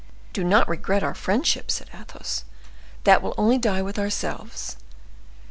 "Do not regret our friendship," said Athos, "that will only die with ourselves.